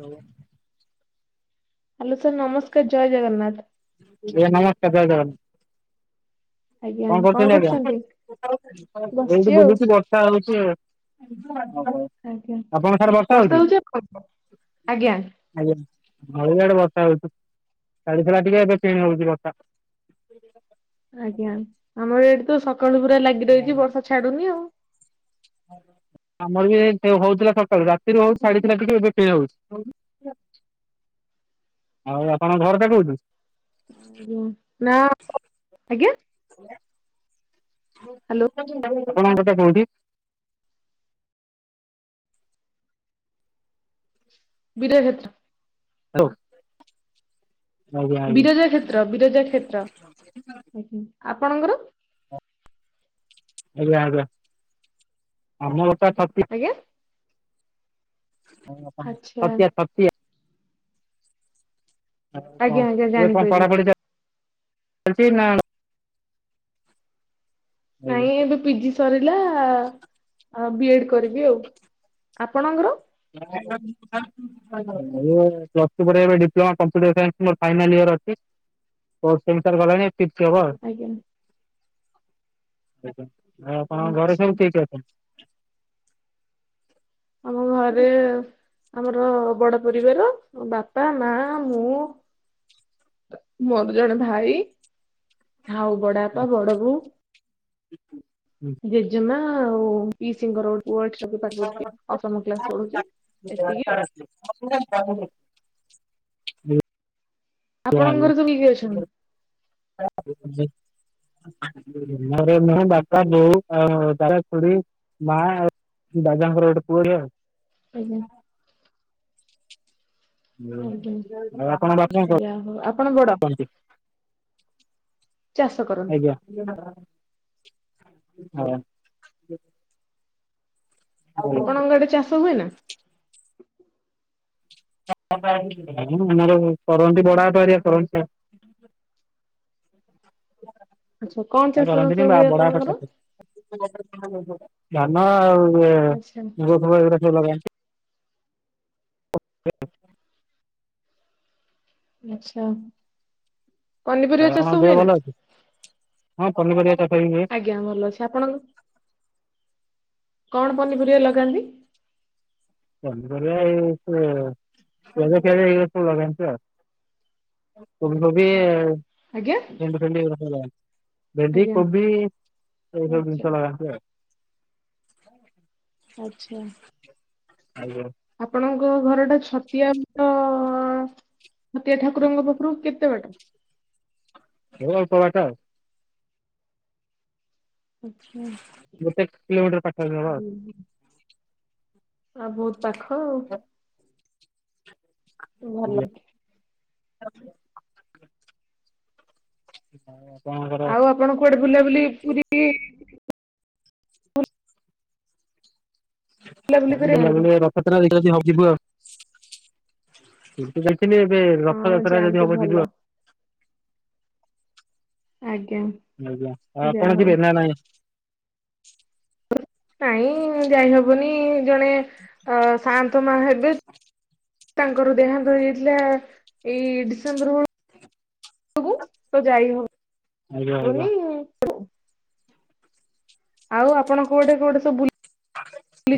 ଲଉ। Hello sir ନମସ୍କାର ଜୟ ଜଗନ୍ନାଥ। ଆଜ୍ଞା ନମସ୍କାର ଜୟ ଜଗନ୍ନାଥ। ଆଜ୍ଞା କଣ କରୁଛନ୍ତି ଆଜ୍ଞା? କରୁଚନ୍ତି? ଏଇଠି ବୁଲୁଚି ବର୍ଷା ହଉଚି ଆଉ। ଆଜ୍ଞା ଆପଣଙ୍କ ସାଡେ ବର୍ଷା ହଉଚି? ହଉଛି ଆପଣଙ୍କର? ଆଜ୍ଞା। ଆଜ୍ଞା ଭଳିଆଡେ ବର୍ଷା ହଉଛୀ, ଛାଡିଥିଲା ଟିକେ ଏବେ ଚେଞ ହଉଚି ବର୍ଷା। ଆଜ୍ଞା ଆମର ଏଇଠି ତ ସକାଳୁ ପୁରା ଲାଗି ରହିଚି, ବର୍ଷା ଛାଡୁନି ଆଉ। [inaudible] ଆମର ଏଇ ବି ହଉଥିଲା ସକାଳୁ ରାତିରୁ ହଉଚି ଛାଡିଥିଲା ଟିକେ ଏବେ ପୁଣି ହଉଚି। ଆଉ ଆପଣ ଘରଟା କୋଉଠି? ଆଜ୍ଞା ନା ଆଜ୍ଞା। ହ୍ୟାଲୋ ଆପଣଙ୍କା ଘରଟା କଉଠି? ବୀର କ୍ଷେତ୍ର। ହାଲୋ। ବିରଜା କ୍ଷେତ୍ର, ବିରଜା କ୍ଷେତ୍ର ଆପଣଙ୍କର? ଆଜ୍ଞା, ଆଜ୍ଞା, ଆମ ଘରଟା ଛତିଶ ଆଜ୍ଞା? ଓ ହ ଆଚ୍ଛା ଛତିଆ, ଛାତିଆ। ଆଉ କଣ ଆଜ୍ଞା ଆଜ୍ଞା ଇଏ କଣ ଜାଣିପାରିଲି ପଢାପଢି ଚାଲି ଚି ନା? ନା ନାଇଁ ଏବେ ପିଜି ସରିଲା ବିଏଡ କରିବି ଆଉ ଆପଣଙ୍କର? [unintelligible] ଏ ପ୍ଲସ ଟୁ ପଢ଼ିବା ପାଇଁ ଡିପ୍ଲୋମା କମ୍ପୁଟର ସାଇନ୍ସ ମୋର ଫାଇନାଲ ଇଅର ଅଛି। ଫୋର୍ ସେମୀ ଷ୍ଟାର୍ ଗଲାଣି। ଫିପତ ହବ। ଆଜ୍ଞା ଆଜ୍ଞା ଆଉ ଆପଣଙ୍କ ଘରେ ଆଚ୍ଛା। ସବୁ କିଏ କିଏ ଅଛନ୍ତି? ଆମ ଘରେ ଆମର ବଡ ପରିବାର। ବାପା ମା ମୁଁ ମୋର ଜଣେ ଭାଇ ହଉ ବଡବାପା ବଡବୋଉ ଜେଜେମା। ପିସିଙ୍କ ଗୋଟେ ପୁଅ ଏଠି ରହିକି ପାଠ ପଡୁଚି ଅଷ୍ଟମ କ୍ଲାସ ପଢୁଚି ଏତିକି ଆଉ। [unintelligible] ଆପଣଙ୍କ ଘରେ ସବୁ କିଏ କିଏ ଅଛନ୍ତି? [unintelligible] ମୋର ମୁଁ ବାପା ବୋଉ ଆଉ ଦାଦା ଖୁଡି ମା ଆଉ ବାବା ଙ୍କର ଗୋଟେ ପୁଅଟେ ଆଉ। ଆଜ୍ଞା। ଆଉ ଆପଣଙ୍କ ବାପା କଣ ଆଜ୍ଞା। ଯା ହଉ ଆପଣ ବଡ? କରନ୍ତି? ଚାଷ କରନ୍ତ ଆଜ୍ଞା ହଉ। ଆପଣଙ୍କ ଆଡେ ଚାଷ ହୁଏ ନା? ହ ଆମର କରନ୍ତି ବଡବାପା ହାରିକା କରନ୍ତି ଆଉ। ଆଚ୍ଛା କଣ ବାପା ଚାଷ ବାସ କରନ୍ତିନି ବା ହୁଏ ବଡବାପା ଆପଣଙ୍କର? ସାଥିରେ ଧାନ ଆଉ ଏ ଆଚ୍ଛା ମୁଗ ଫୁଗ ଏଇଗୁରା ସବୁ ଲଗାନ୍ତି। ଆଚ୍ଛା। ପନିପରିବା ଆଉ ଚାଷ ଆପଣଂକ ଦେହ ହୁଏ ନା? ଭଲ ଅଛି? ହଁ ପନିପରିବା ଚାସ ବି ହୁଏ। ଆଜ୍ଞା ଭଲ ଅଛି। ଆପଣଙ୍କ? କଣ ପନିପରିବା ଲଗାନ୍ତି? ପନିପରିବା ଏଇ [unintelligible] ଏଇ ସବୁ ଲଗାନ୍ତି ଆଉ। ଫୁଲ କୋବି ଆଉ ଆଜ୍ଞା ଭେଣ୍ଡି ଫେଣ୍ଡି ଏଇ ସବୁ ଲଗାନ୍ତି। ଭେଣ୍ଡି ଆଜ୍ଞା କୋବିି ଏସବୁ ଆଚ୍ଛା ଜିନିଷ ଲଗାନ୍ତି। ଆଚ୍ଛା। ଆଜ୍ଞା। ଆପଣଙ୍କ ଘର ଟା ଛତିଆ ତ ଛତିଆ ଠାକୁରଙ୍କ ପାଖରୁ କେତେ ବାଟ? ଏଇ ଅଳ୍ପ ବାଟ ଆଉ। ଆଚ୍ଛା ଗୋଟେ କିଲୋମିଟର ପାଖାପାଖି ହେବ। ହୁଁ, ହୁଁ। ଆଉ ବହୁତ ପାଖ ଆଉ। ଭଲ। [inaudible] ଆଉ ଆପଣଙ୍କର ଆପଣ କୁଆଡେ ବୁଲାବୁଲି, ପୁରୀ ବୁଲାବୁଲି କରି [unintelligible] ଯାଆନ୍ତି ରଥଯାତ୍ରା ଦେଖିବା ହବ ଯଦି ଯିବୁ ଆଉ। [unintelligible] ଦେଖିଲି ଏବେ ହଁ ରଥଯାତ୍ରା ଯାଆନ୍ତୁ ଯଦି ହବ ଭଲ ଯିବ ଆଜ୍ଞା। ଆପଣ ଯାହା ହଉ କରିବେ ନା ନହିଁ। ନାଇଁ ଯାଇହବନି ଜଣେ ଶ ହେବେ ତାଙ୍କର ଦେହାନ୍ତ ହେଇଯାଇଥିଲା ଏଇ ଡିସେମ୍ବର ତ ଯାଇ ଆଜ୍ଞା ଆଜ୍ଞା। ହବନି। ଆଉ ଆପଣ କୁଆଡେ କୁଆଡେ ସବୁ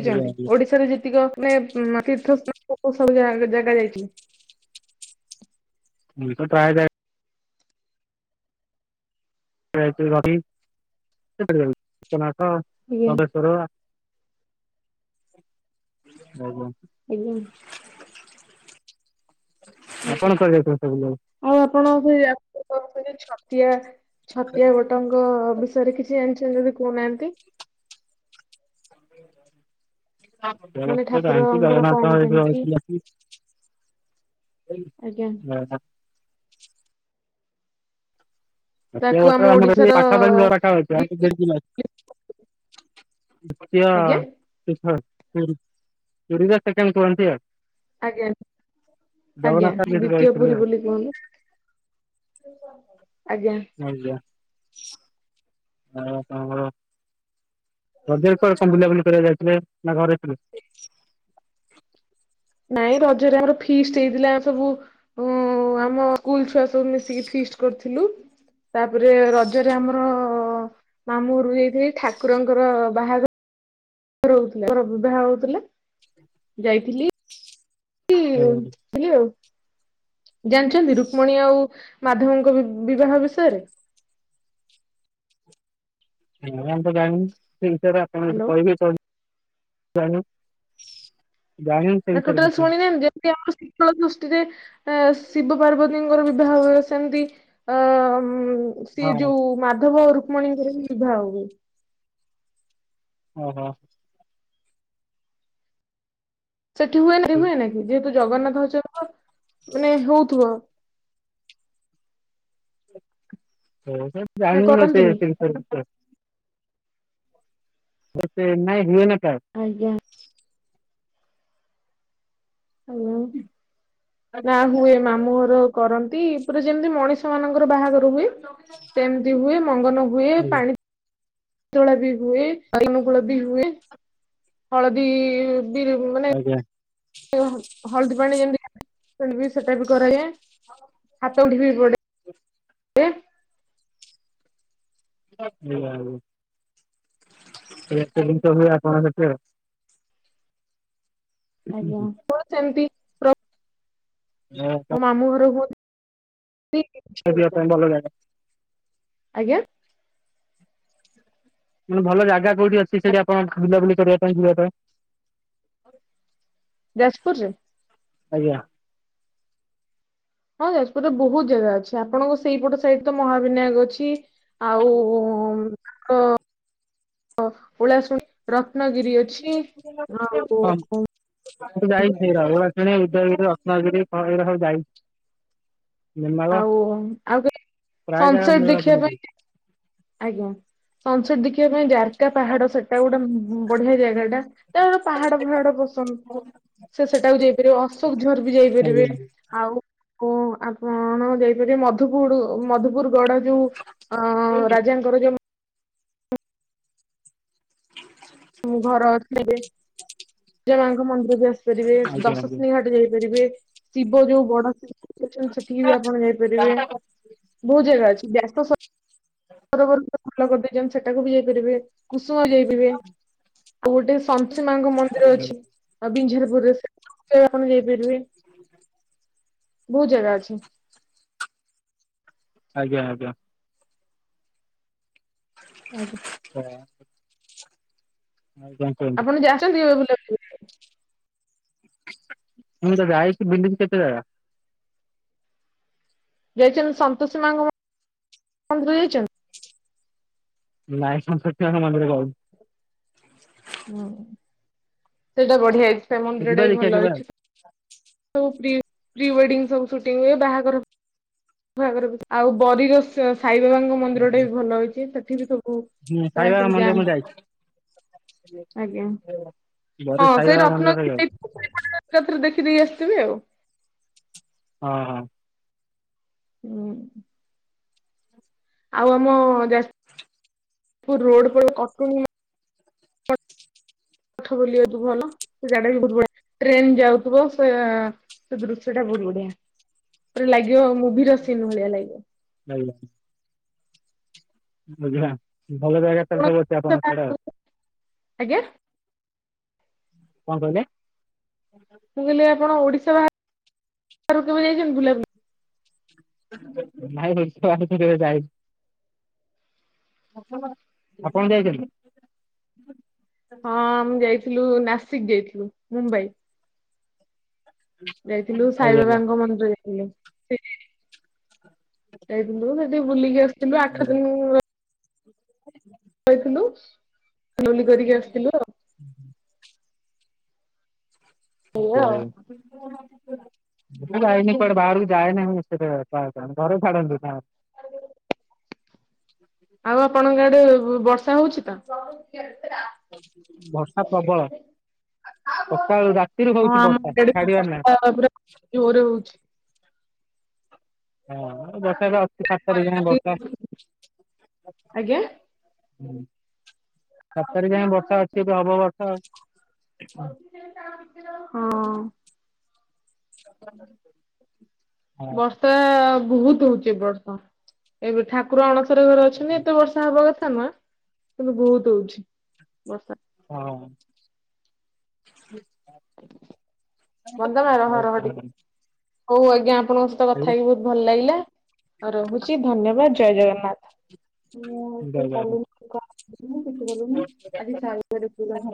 ଆଜ୍ଞା ଆଜ୍ଞା। ଓଡିଶାରେ ଯେତିକ ମାନେ ତୀର୍ଥ ସ୍ଥାନ ସବୁ ଜାଗା ଯାଇଛି। ମୁଇ ତ ଟ୍ରା ଯ [inaudible] ଆଜ୍ଞା [inaudible] [inaudible] [unintelligible] [unintelligible] ଆପଣ କଣ କରାଯାଇଥିବ ସବୁକୁ। ଆଉ ଆପଣ ସେଛନ୍ତି ଛତିଆ ଛତିଆ ବଟଙ୍କ କିଛି ଜଣିଛନ୍ତି ଯଦି କହୁନାହାନ୍ତି। ମାନେ [inaudible] ଠାକୁରଙ୍କର କଣ କେମିତି? [inaudible] ଆଜ୍ଞା। [inaudible] ତାକୁ ଆମ ଆମର ଓଡିଶାର ପାଖାପାଖି ଘର ଦ୍ଵିତୀୟ ପାଖାପାଖି। ଆଜ୍ଞା [unintelligible] ଆଜ୍ଞା ଆଜ୍ଞା। ଜଗନ୍ନାଥ ସେଠି ଦ୍ଵିତୀୟ ରହିଥିଲେ ପୁରୀ ଆଉ। ବୋଲି କୁହନ୍ତୁ। [unintelligible] ଆଜ୍ଞା। ଆଜ୍ଞା। [unintelligible] ହଜରେ କ ବୁଲାପୁଲି କରିବା ଯାଇଥିଲେ ନା ଘରେଇଥିଲେ। ନାଇଁ ରଜରେ ଆମର ଫିଷ୍ଟ ହେଇଥିଲା ସବୁ ହ ଆମ ସ୍କୁଲ ଛୁଆ ସବୁ ମିଶିକି ଫିଷ୍ଟ କରିଥିଲୁ। ତାପରେ ରଜରେ ଆମର ମାମୁଁ ଘରୁ ହୋଇଥାଇ ଠାକୁରଙ୍କର ବାହାଘର ରହୁଥିଲେ ବିବାହ ହଉଥିଲେ। ଯାଇଥିଲି। [inaudible] ଆଉ ଜାଣିଛନ୍ତି? ରୁକ୍ମଣୀ ଆଉ ମାଧବଙ୍କ ବିବାହ ବିଷୟରେ। ହଁମ ତ ଜାଣିନି ସେଇ ବିଷୟରେ ଆପଣ ଯଦି ହ୍ୟାଲୋ କହିବେ ଚାହୁଛନ୍ତି। [inaudible] ନା ଟୋଟଲ କିଛି ଶଣି ନାହାନ୍ତି। ଯେମିତି ଆମର ଶୀତଳ ସଷ୍ଟିରେ ଆ ଶିବ ପାର୍ବତୀଙ୍କର ବିବାହ ହୁ ସେମିତି ଅ ହଁ ସିଏ ଯୋଉ ମାଧବ ଆଉ ରୁକ୍ମଣୀଙ୍କର ହିଁ ବିବାହ ହୁଏ। ଓହୋ। ସେଠି ହୁଏନ ହୁଏ ନ କି ଯେହେତୁ ଜଗନ୍ନାଥଚର ମାନେ ହଉଥିବ। ହଉ ସ ନା ଜାଣିନିନ ସେ କରନ୍ତିନି ଏ ମତେ ନାଇଁ ହୁଏ ନା କା ଆଜ୍ଞା। ହ ନା ହୁଏ ମାମୁଁ ଘର କରନ୍ତି ପୁରା ଯେମିତି ମଣିଷ ମାନଙ୍କର ବାହାଘର ହୁଏ ସେମିତି ହୁଏ। ମଙ୍ଗନ ହୁଏ। ହୁଏ। ଆଜ୍ଞା ପାଣି ତୋଳା ବି ହୁଏ ରାଇମଗୂଳ ବି ହୁଏ ହଳଦୀ ବି ମାନେ ଆଜ୍ଞା। ଯୋଉ ହଳଦୀ ପାଣି ଯେମିତି [inaudible] ସେଟା ବି କରାଯାଏ ହାତ ଗଣ୍ଠି ବି ପଡେ। କିଏ? ଆ ହୁ ଆପଣ ସେଥି ଆଉ ଆଜ୍ଞା ସେମତି [inaudible] ମାମୁଁ ଘର ହୁଅନ୍ତି କିମ୍ବା ସେ ଯିବା ପାଇଁ ଭଲ ଲାଗେ। ଆଜ୍ଞା। ମାନେ ଭଲ ଜାଗା କୋଉଠି ଅଛି ସେଠି ଆପଣଙ୍କ ସେଠି ବୁଲାବୁଲି କରିବା ପାଇଁ ଯିବା ପାଇଁ। ଯାଜପୁରରେ। ଆଜ୍ଞା। ହଁ ଯାଜପୁରରେ ବହୁତ ଜାଗା ଅଛି ଆପଣଙ୍କ ସେଇପଟ ସାଇଡତ ମହାବିନାୟକ ଅଛି। ଆଉ ହଁ ଉଳାଶୁଣି ରତ୍ନଗିରି ଅଛି ଆଉ ମୁ ଯାଇଛି ଲବଣଗିରି, ଉଦୟଗିରି, ରତ୍ନଗିରି ଏଇରା ସବୁ ଯାଇଛି। ନେମାଳ ଆଉ ଆଉ ପ୍ରାୟ ଜାଗା ସନସେଟ ଦେଖିବା ମୁଁ [inaudible] ପାଇଁ ଆଜ୍ଞା ସନସେଟ ଦେଖି ଦେଖିବା ପାଇଁ ଜାରକା ପାହାଡ ସେଟା ଗୋଟେ ବଢିଆ ଜାଗାଟା ତ ଯାହାର ପାହାଡ ଫାହାଡ ପସନ୍ଦ। ସେ ସେଟାକୁ ଯାଇପାରିବ ଅଶୋକଝରବି ଯାଇପାରିବେ। ଆଜ୍ଞା ଆଉ କଣ ଆପଣ ଯାଇପାରିବେ ମଧୁପୁର, ମଧୁପୁର ଗଡ ଯୋଉ ଅ ରାଜାଙ୍କର ଯୋଉ ମୁଁ ଘର [unintelligible] ବିରଜା ମାଙ୍କ ମନ୍ଦିର ବି ଆସ ପାରିବେ ଆଜ୍ଞା ଆଜ୍ଞା। ଦଶଶିନାହିଟି ଯାଇପାରିବେ ଶିବ ଯୋଉ ବଡ ସେଠିକି ବି ଆପଣ ଯାଇପାରିବେ ବହୁତ ଜାଗା ଅଛି ବ୍ୟାସ ସ ସରବର ଭଲ କରିଦେଇଛନ୍ତି ସେଟାକୁ ବି ଯାଇପାରିବେ କୁସୁମ ଯାଇପାରିବେ ଆଉ ଗୋଟେ ସନ୍ସୀ ମାଙ୍କ ମନ୍ଦିର ଅଛି ଆଉ ବିଞ୍ଜାରପୁରରେ ସେ ଆପଣ ଯାଇପାରିବେ ବହୁତ ଜାଗା ଅଛି। ଆଜ୍ଞା ଆଜ୍ଞା। ଆଜ୍ଞା। ଆଜ୍ଞା। ଆଜ୍ଞା। କୁହନ୍ତୁ। ଆପଣ ଯାଇଛନ୍ତି କେବେ ବୁଲିବାକୁ ମୁଁ ତ ଯାଇଛିି ବୁଲିବି କେତେ ଯାଗା? ଯାଇଛନ୍ତି ସନ୍ତୋଷୀ ମାଙ୍କ ମନ୍ଦିର ଯାଇଛ? ନାଇଁ ସନ୍ତୋଷୀ ମାଆଙ୍କ ମନ୍ଦିର ଯାଇନି। ହଁ, ସେଇଟା ବଢିଆ ହେଇଛି ସେ ଯିବା ମନ୍ଦିରଟା ବି ଦେଖିବା ଭଲ କେବେ ଆଉ ହେଇଛି। ସବୁ ପ୍ରି, ପ୍ରି ୱେଡିଙ୍ଗ ସବୁ ସୁଟିଂ ହୁଏ ବାହାଘର ବାହାଘର ଆଉ ବରିର ସାଇବାବାଙ୍କ ମନ୍ଦିରଟା ବି ଭଲ ହେଇଛି ସେଠି ବି ସବୁ ହୁଁ, ପ୍ରାୟ ସାଇବାବା ସବୁ ମନ୍ଦିର ମୁଁ ଯାଆନ୍ତି ଯାଇଛି। ଆଜ୍ଞା ହଁ ବରୀ ସେଇ ସାଇବାବା ମନ୍ଦିର ରତ୍ନଗିରି ଖାଲି ଯାଇଛି ସେଇପଟେ ଏକାଥରେ ଦେଖିଦେଇକି ଆସିଥିବେ ଆଉ ହଁ। ହୁଁ। ଆଉ ଆମ ଯାଜପୁର ରୋଡ ପଟେ କଟୁନି [inaudible] ବୁଲିବାକୁ ଭଲ ସେ ଜାଗାଟା ବି ବହୁତ ବଢିଆ ଟ୍ରେନ ଯାଉଥିବ ସେ ସେ ଦୃଶ୍ୟଟା ବହୁତ ବଢିଆ ପୁରା ଲାଗିବ ମୁଭିର ସିନ୍ ଭଳିଆ ଲାଗିବ। ହାଲୋ। ଆଜ୍ଞା ଭଲ ଯାଗା ତ ଆପଣ ସବୁ ଅଛି ଆପଣଙ୍କ ସିଆଡେ ଆଉ ଆଜ୍ଞା। କଣ କହିଲେ? ମୁଁ କହିଲି ଆପଣ ଓଡିଶା ବାହାରକୁ କେବେ ଯାଇଛନ୍ତି ବୁଲାବୁଲି ନାଇ ଓଡ଼ିଶା ବାହାରକୁ କେବେ ଯାଇନି। ଆପଣ ଯାଇଛନ୍ତି? ହଁ, ଆମେ ଯାଇଥିଲୁ ନାସିକ ଯାଇଥିଲୁ ମୁମ୍ବାଇ। ଯାଇଥିଲୁ ସାଇ ଆଜ୍ଞା ଆଜ୍ଞା ବାବାଙ୍କ ମନ୍ଦିର ଯାଇଥିଲୁ। ଯାଇଥିଲୁ ସେଠି ବୁଲିକି ଆସିଥିଲୁ। ଆଠ ଆଜ୍ଞା ଆଜ୍ଞା। ଦିନ [inaudible] ଯାଇଥିଲୁ [inaudible] ଏଇଆ ଯାହା ଆଉ। ହେଉ। ମୁଁ ଯାଇନି କୁଆଡ଼େ ବାହାରକୁ ଯାଏନି ବେଶୀ ଟ ପ୍ରାୟ ଟାଇମ୍ ଘରେ ଛାଡ଼ନ୍ତିନି ଆଉ। [unintelligible] ଆଉ ଆପଣଙ୍କ ଆଡେ ବ ବର୍ଷା ହଉଛି ତ? ବର୍ଷା ପ୍ରବଳ ସକାଳୁ ରାତିରୁ ହଉଛି ବର୍ଷା ଛାଡିବାର ନାହିଁ। ତାର ପୁରା ଜୋରେ ହଉଛି। ହଁ ମାନେ ବର୍ଷା ଅଛି ସାତ ତାରିଖ ଯାଏଁ ବର୍ଷା। ହୁଁ ଆଜ୍ଞା। ସାତ ତାରିଖ ଯାଏ ବର୍ଷା ଅଛି ଏବେ ହବ ବର୍ଷା ଆଉ। ହଁ। [unintelligible] ବର୍ଷା ବହୁତ ହୋଉଚ ଏ ବର୍ଷ। ଏବେ ଠାକୁର ଅଣସର ଘରେ ଅଛନ୍ତି ଏତେ ବର୍ଷା ହବା କଥା ନୁହ। କିନ୍ତୁ ବହୁତ ହଉଛି ବର୍ଷା। ହଁ। ବନ୍ଦନା ରହ ଆଉ ରହ କଣ ଟିକେ। ହୋଉ ଆଜ୍ଞା ଆପଣଙ୍କ ସହିତ କଥା ଆଜ୍ଞା ହେଇକି ବହୁତ ଭଲ ଲାଗିଲା ଆ ରହୁଛି ଧନ୍ୟବାଦ ଜୟ ଜଗନ୍ନାଥ। ଜୟ ଜଗନ୍ନାଥ। [unintelligible]